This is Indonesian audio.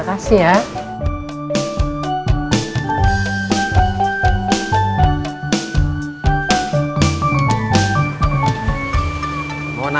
emang ayem semuanya